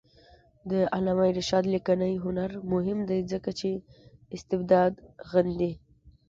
د علامه رشاد لیکنی هنر مهم دی ځکه چې استبداد غندي.